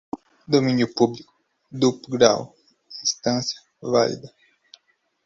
domínio público, duplo grau, instância, válida